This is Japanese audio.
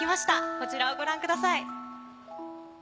こちらをご覧ください。